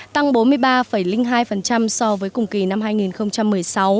tăng bốn mươi ba hai so với cùng kỳ năm hai nghìn một mươi sáu